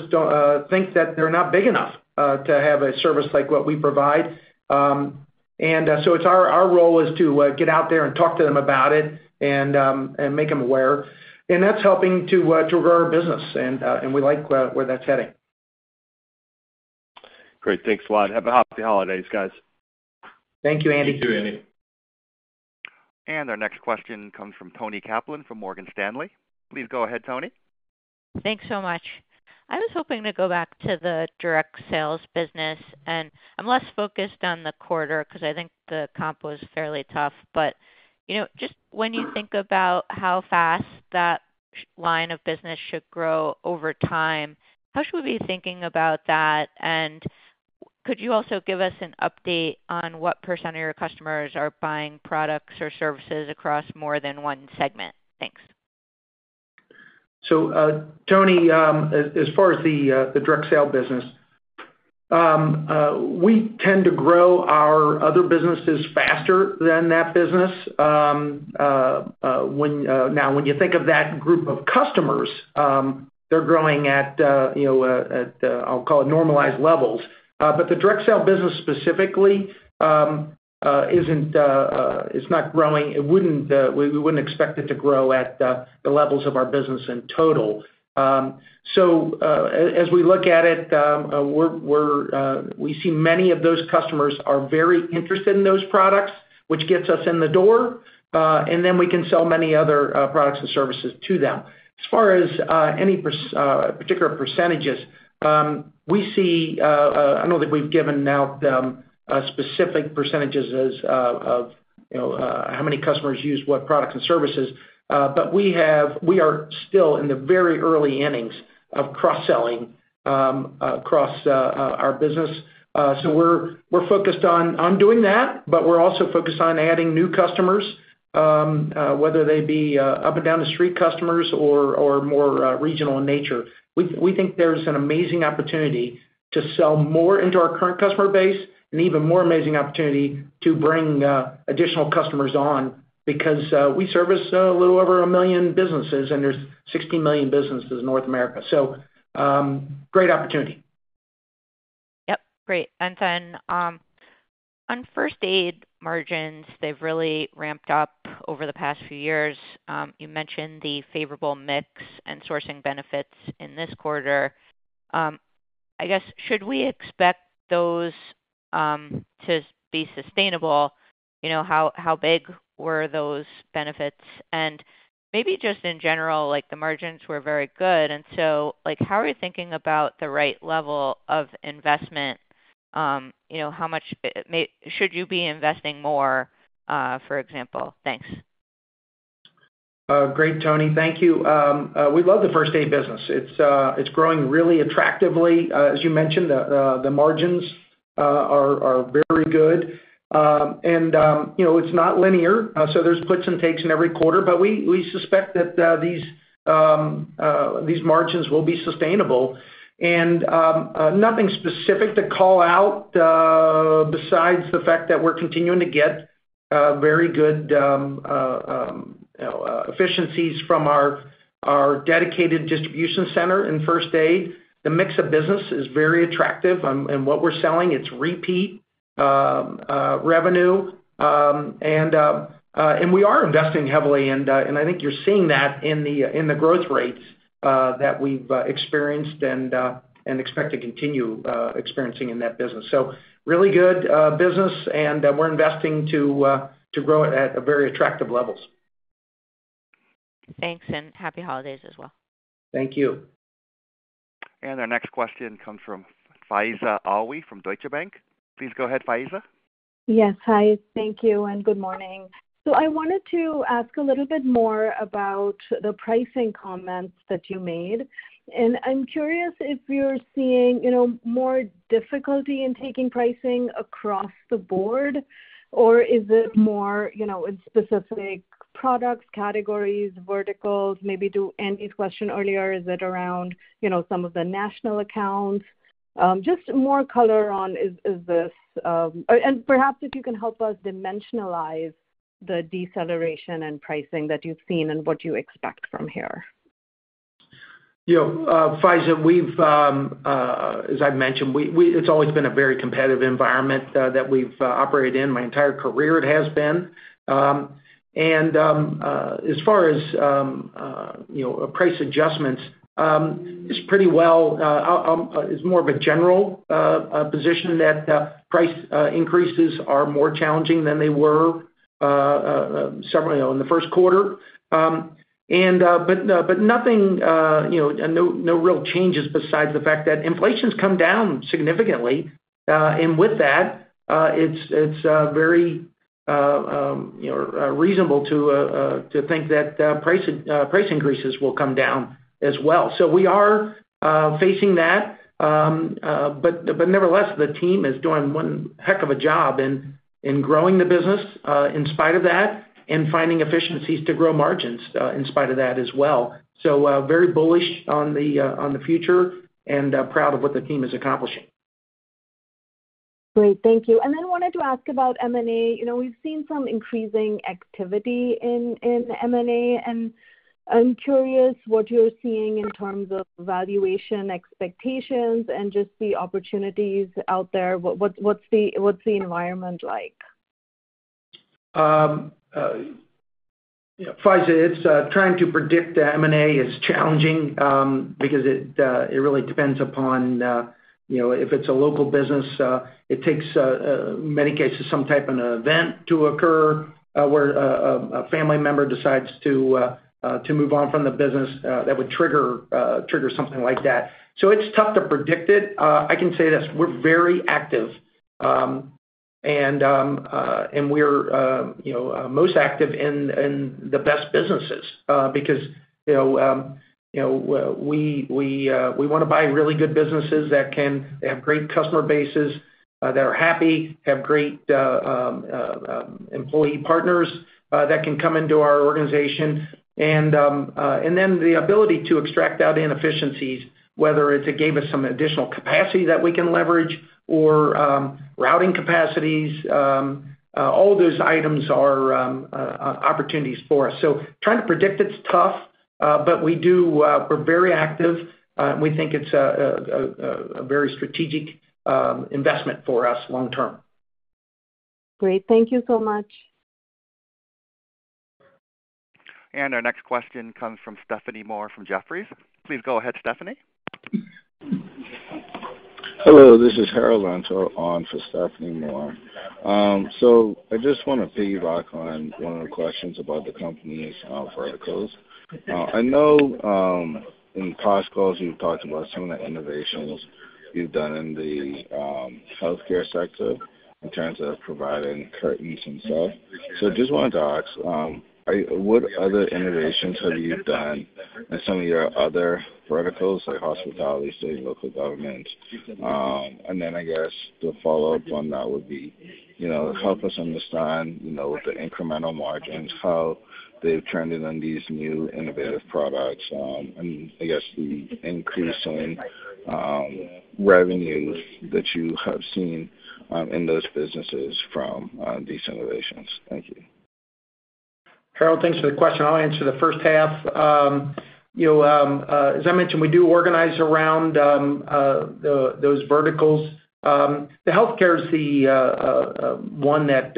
think that they're not big enough to have a service like what we provide. And so our role is to get out there and talk to them about it and make them aware. That's helping to grow our business, and we like where that's heading. Great. Thanks a lot. Have a happy holidays, guys. Thank you, Andy. Thank you, Andy. Our next question comes from Toni Kaplan from Morgan Stanley. Please go ahead, Toni. Thanks so much. I was hoping to go back to the direct sales business, and I'm less focused on the quarter because I think the comp was fairly tough. But just when you think about how fast that line of business should grow over time, how should we be thinking about that? And could you also give us an update on what % of your customers are buying products or services across more than one segment? Thanks. Toni, as far as the direct sale business, we tend to grow our other businesses faster than that business. Now, when you think of that group of customers, they're growing at, I'll call it, normalized levels. But the direct sale business specifically is not growing. We wouldn't expect it to grow at the levels of our business in total. So as we look at it, we see many of those customers are very interested in those products, which gets us in the door. And then we can sell many other products and services to them. As far as any particular percentages, I know that we've given out specific percentages of how many customers use what products and services. But we are still in the very early innings of cross-selling across our business. So we're focused on doing that, but we're also focused on adding new customers, whether they be up and down the street customers or more regional in nature. We think there's an amazing opportunity to sell more into our current customer base and even more amazing opportunity to bring additional customers on because we service a little over a million businesses, and there's 16 million businesses in North America. So great opportunity. Yep. Great. And then on first aid margins, they've really ramped up over the past few years. You mentioned the favorable mix and sourcing benefits in this quarter. I guess, should we expect those to be sustainable? How big were those benefits? And maybe just in general, the margins were very good. And so how are you thinking about the right level of investment? How much should you be investing more, for example? Thanks. Great, Toni. Thank you. We love the first aid business. It's growing really attractively. As you mentioned, the margins are very good, and it's not linear. So there's puts and takes in every quarter, but we suspect that these margins will be sustainable, and nothing specific to call out besides the fact that we're continuing to get very good efficiencies from our dedicated distribution center in first aid. The mix of business is very attractive in what we're selling. It's repeat revenue, and we are investing heavily, and I think you're seeing that in the growth rates that we've experienced and expect to continue experiencing in that business, so really good business, and we're investing to grow at very attractive levels. Thanks, and happy holidays as well. Thank you. Our next question comes from Faiza Alwy from Deutsche Bank. Please go ahead, Faiza. Yes, hi. Thank you, and good morning. So I wanted to ask a little bit more about the pricing comments that you made. And I'm curious if you're seeing more difficulty in taking pricing across the board, or is it more in specific products, categories, verticals? Maybe to Andy's question earlier, is it around some of the national accounts? Just more color on this? And perhaps if you can help us dimensionalize the deceleration in pricing that you've seen and what you expect from here. Yeah. Faiza, as I've mentioned, it's always been a very competitive environment that we've operated in. My entire career, it has been. And as far as price adjustments, it's pretty well. It's more of a general position that price increases are more challenging than they were in the first quarter. But nothing, no real changes besides the fact that inflation's come down significantly. And with that, it's very reasonable to think that price increases will come down as well. So we are facing that. But nevertheless, the team is doing one heck of a job in growing the business in spite of that and finding efficiencies to grow margins in spite of that as well. So very bullish on the future and proud of what the team is accomplishing. Great. Thank you, and then wanted to ask about M&A. We've seen some increasing activity in M&A, and I'm curious what you're seeing in terms of valuation expectations and just the opportunities out there. What's the environment like? Faiza, it's trying to predict the M&A is challenging because it really depends upon if it's a local business. It takes, in many cases, some type of an event to occur where a family member decides to move on from the business that would trigger something like that. So it's tough to predict it. I can say this. We're very active, and we're most active in the best businesses because we want to buy really good businesses that have great customer bases, that are happy, have great employee partners that can come into our organization. And then the ability to extract out inefficiencies, whether it's it gave us some additional capacity that we can leverage or routing capacities, all those items are opportunities for us. So trying to predict it's tough, but we're very active. We think it's a very strategic investment for us long term. Great. Thank you so much. And our next question comes from Stephanie Moore from Jefferies. Please go ahead, Stephanie. Hello. This is Harold Antor on for Stephanie Moore. So I just want to piggyback on one of the questions about the company's verticals. I know in past calls, you've talked about some of the innovations you've done in the healthcare sector in terms of providing curtains and stuff. So I just wanted to ask, what other innovations have you done in some of your other verticals like hospitality, state, and local governments? And then I guess the follow-up on that would be help us understand with the incremental margins, how they've turned in on these new innovative products, and I guess the increase in revenues that you have seen in those businesses from these innovations. Thank you. Harold, thanks for the question. I'll answer the first half. As I mentioned, we do organize around those verticals. The healthcare is the one that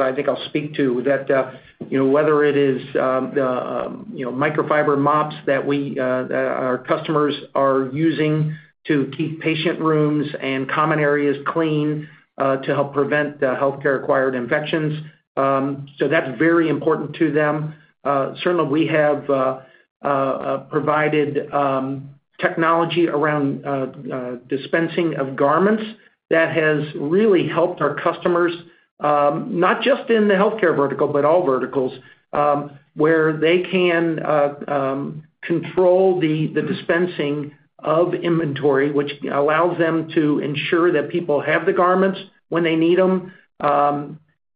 I think I'll speak to, whether it is the microfiber mops that our customers are using to keep patient rooms and common areas clean to help prevent healthcare-acquired infections. So that's very important to them. Certainly, we have provided technology around dispensing of garments that has really helped our customers, not just in the healthcare vertical but all verticals, where they can control the dispensing of inventory, which allows them to ensure that people have the garments when they need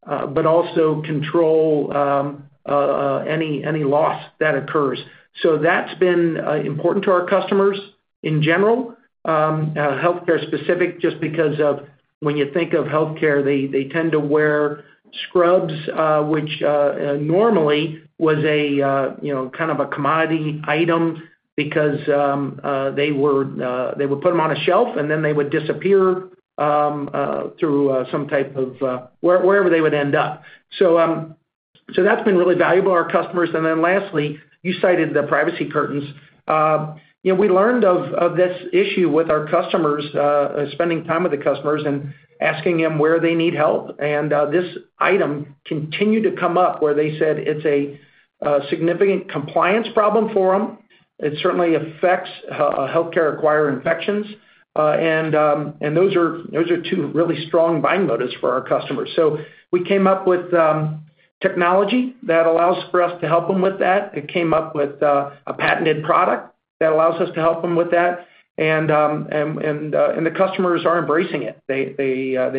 them, but also control any loss that occurs. So that's been important to our customers in general, healthcare-specific, just because when you think of healthcare, they tend to wear scrubs, which normally was kind of a commodity item because they would put them on a shelf, and then they would disappear through some type of wherever they would end up. So that's been really valuable to our customers. And then lastly, you cited the privacy curtains. We learned of this issue with our customers, spending time with the customers and asking them where they need help. And this item continued to come up where they said it's a significant compliance problem for them. It certainly affects healthcare-acquired infections. And those are two really strong buying motives for our customers. So we came up with technology that allows for us to help them with that. It came up with a patented product that allows us to help them with that. And the customers are embracing it. They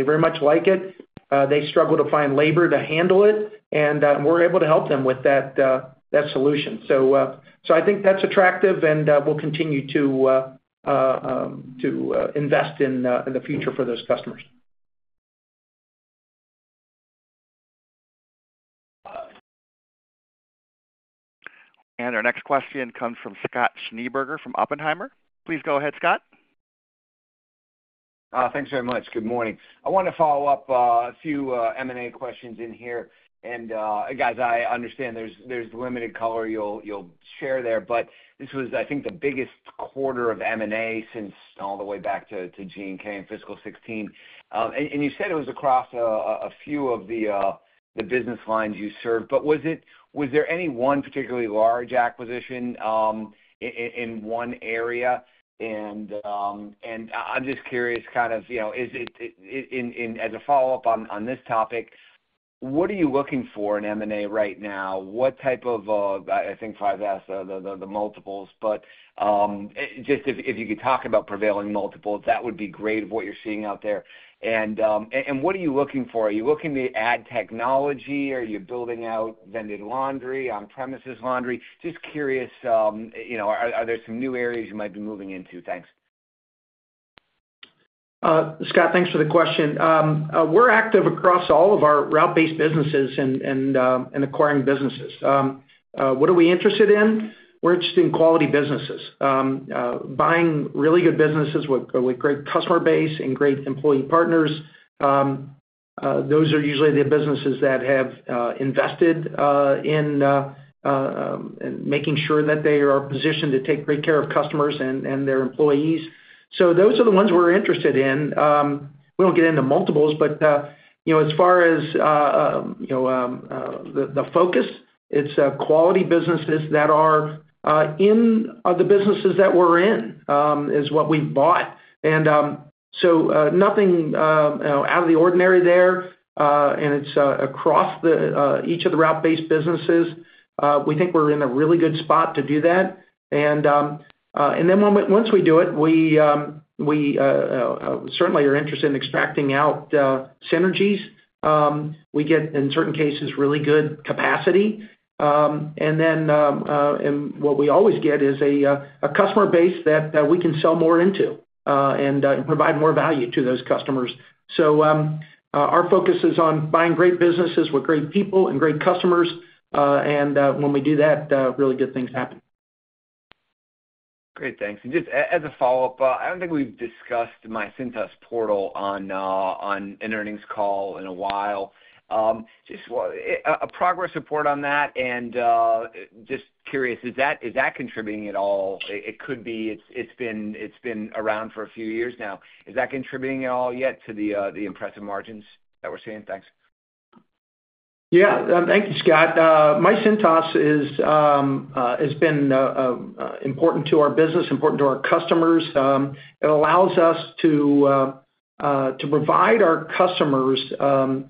very much like it. They struggle to find labor to handle it, and we're able to help them with that solution. So I think that's attractive, and we'll continue to invest in the future for those customers. And our next question comes from Scott Schneeberger from Oppenheimer. Please go ahead, Scott. Thanks very much. Good morning. I wanted to follow up a few M&A questions in here. And guys, I understand there's limited color you'll share there, but this was, I think, the biggest quarter of M&A since all the way back to G&K and fiscal 2016. And you said it was across a few of the business lines you served. But was there any one particularly large acquisition in one area? And I'm just curious, kind of as a follow-up on this topic, what are you looking for in M&A right now? What type of—I think Faiza asked the multiples—but just if you could talk about prevailing multiples, that would be great of what you're seeing out there. And what are you looking for? Are you looking to add technology, or are you building out vended laundry, on-premises laundry? Just curious, are there some new areas you might be moving into? Thanks. Scott, thanks for the question. We're active across all of our route-based businesses and acquiring businesses. What are we interested in? We're interested in quality businesses, buying really good businesses with great customer base and great employee partners. Those are usually the businesses that have invested in making sure that they are positioned to take great care of customers and their employees. So those are the ones we're interested in. We don't get into multiples, but as far as the focus, it's quality businesses that are in the businesses that we're in is what we've bought. and so nothing out of the ordinary there, and it's across each of the route-based businesses. We think we're in a really good spot to do that. and then once we do it, we certainly are interested in extracting out synergies. We get, in certain cases, really good capacity. And then what we always get is a customer base that we can sell more into and provide more value to those customers. So our focus is on buying great businesses with great people and great customers. And when we do that, really good things happen. Great. Thanks. And just as a follow-up, I don't think we've discussed myCintas portal on an earnings call in a while. Just a progress report on that, and just curious, is that contributing at all? It could be it's been around for a few years now. Is that contributing at all yet to the impressive margins that we're seeing? Thanks. Yeah. Thank you, Scott. myCintas has been important to our business, important to our customers. It allows us to provide our customers an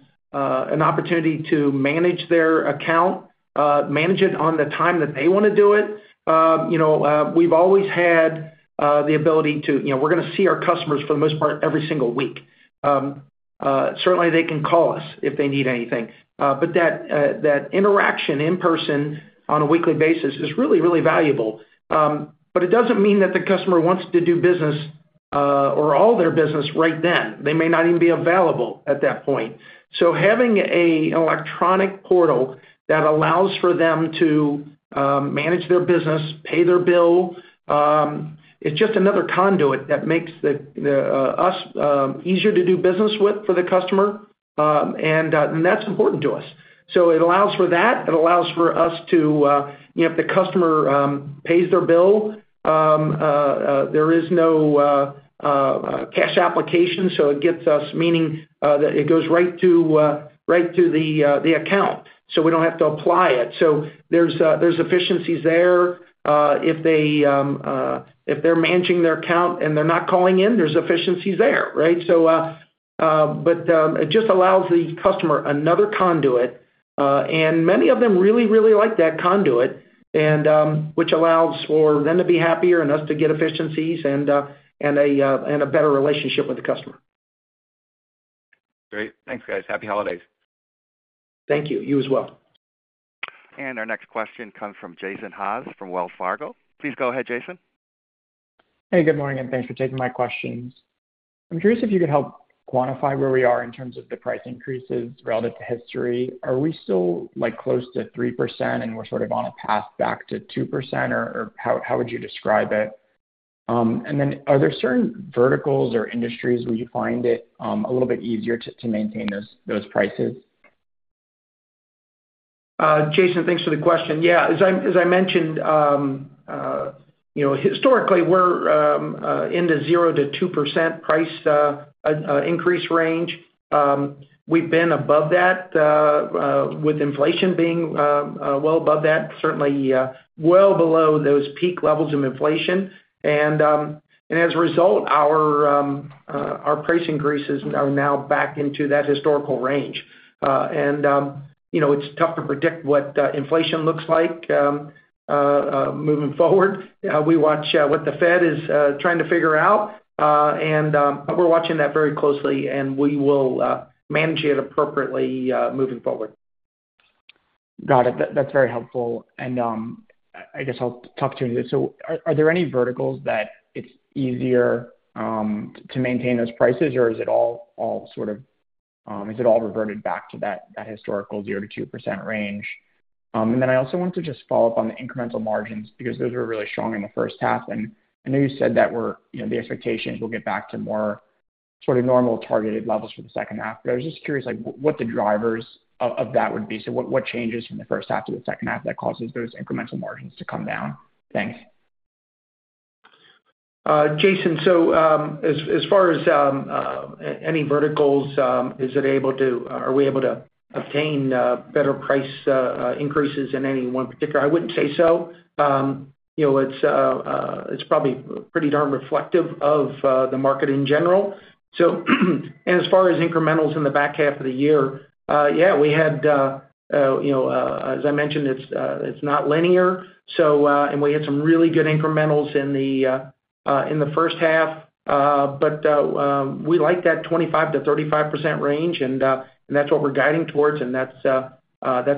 opportunity to manage their account, manage it on the time that they want to do it. We've always had the ability. We're going to see our customers for the most part every single week. Certainly, they can call us if they need anything. But that interaction in person on a weekly basis is really, really valuable. But it doesn't mean that the customer wants to do business or all their business right then. They may not even be available at that point. So having an electronic portal that allows for them to manage their business, pay their bill, it's just another conduit that makes us easier to do business with for the customer, and that's important to us, so it allows for that. It allows for us to, if the customer pays their bill, there is no cash application. So it gets us, meaning it goes right to the account. So we don't have to apply it. So there's efficiencies there. If they're managing their account and they're not calling in, there's efficiencies there, right? But it just allows the customer another conduit. And many of them really, really like that conduit, which allows for them to be happier and us to get efficiencies and a better relationship with the customer. Great. Thanks, guys. Happy holidays. Thank you. You as well. Our next question comes from Jason Haas from Wells Fargo. Please go ahead, Jason. Hey, good morning, and thanks for taking my questions. I'm curious if you could help quantify where we are in terms of the price increases relative to history. Are we still close to 3%, and we're sort of on a path back to 2%? Or how would you describe it? And then are there certain verticals or industries where you find it a little bit easier to maintain those prices? Jason, thanks for the question. Yeah. As I mentioned, historically, we're in the 0%-2% price increase range. We've been above that with inflation being well above that, certainly well below those peak levels of inflation. And as a result, our price increases are now back into that historical range. And it's tough to predict what inflation looks like moving forward. We watch what the Fed is trying to figure out, and we're watching that very closely, and we will manage it appropriately moving forward. Got it. That's very helpful. And I guess I'll talk to you in a bit. So are there any verticals that it's easier to maintain those prices, or is it all sort of reverted back to that historical 0%-2% range? And then I also wanted to just follow up on the incremental margins because those were really strong in the first half. And I know you said that the expectation is we'll get back to more sort of normal targeted levels for the second half. But I was just curious what the drivers of that would be. So what changes from the first half to the second half that causes those incremental margins to come down? Thanks. Jason, so as far as any verticals, are we able to obtain better price increases in any one particular? I wouldn't say so. It's probably pretty darn reflective of the market in general. And as far as incrementals in the back half of the year, yeah, we had, as I mentioned, it's not linear. And we had some really good incrementals in the first half. But we like that 25%-35% range, and that's what we're guiding towards, and that's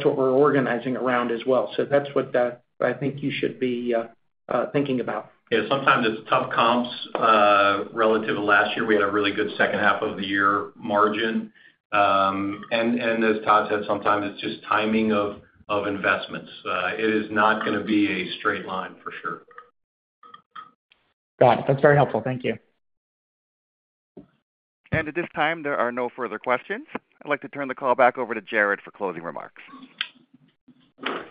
what we're organizing around as well. So that's what I think you should be thinking about. Yeah. Sometimes it's tough comps. Relative to last year, we had a really good second half of the year margin, and as Todd said, sometimes it's just timing of investments. It is not going to be a straight line for sure. Got it. That's very helpful. Thank you. At this time, there are no further questions. I'd like to turn the call back over to Jared for closing remarks. Thank you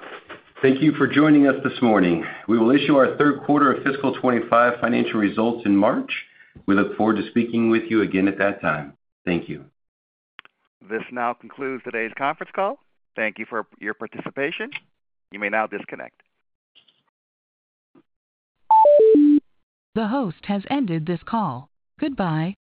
for joining us this morning. We will issue our third quarter of fiscal 2025 financial results in March. We look forward to speaking with you again at that time. Thank you. This now concludes today's conference call. Thank you for your participation. You may now disconnect. The host has ended this call. Goodbye.